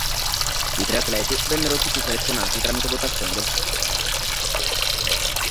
I tre atleti vennero tutti selezionati tramite votazione del pubblico.